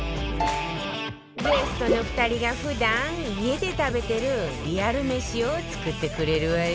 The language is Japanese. ゲストの２人が普段家で食べてるリアル飯を作ってくれるわよ